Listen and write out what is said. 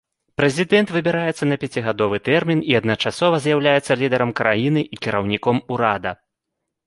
Прэзідэнт выбіраецца на пяцігадовы тэрмін і адначасова з'яўляецца лідарам краіны і кіраўніком урада.